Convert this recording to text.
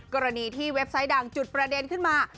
กรณีที่เว็บไซต์ดังจุดประเด็นขึ้นมา